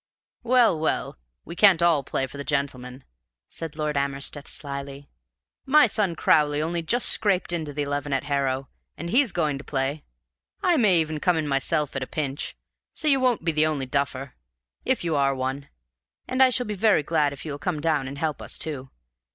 "Well, well, we can't all play for the Gentlemen," said Lord Amersteth slyly. "My son Crowley only just scraped into the eleven at Harrow, and HE'S going to play. I may even come in myself at a pinch; so you won't be the only duffer, if you are one, and I shall be very glad if you will come down and help us too.